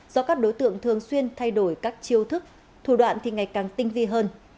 do các đối tượng thường xuyên thay đổi các chiêu thức thủ đoạn thì ngày càng tinh vi hơn